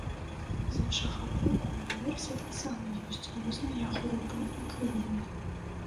З іншага боку, наверсе таксама ёсць розныя групы ўплыву.